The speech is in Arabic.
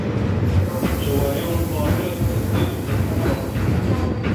شوارع القاهرة تزداد خطورة.